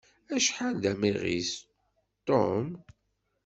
Acḥal d amiɣis, Tom!